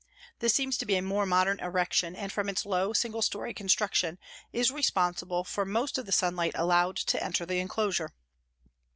This seems to be a more modern erection, and from its low, single storey construction is responsible for most of the sunlight allowed to enter the enclosure.